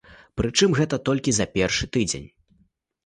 Прычым, гэта толькі за першы тыдзень.